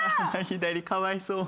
左かわいそう。